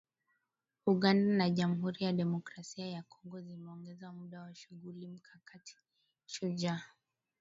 Uganda na Jamuhuri ya Demokrasia ya Kongo zimeongeza muda wa shughuli mkakati Shujaa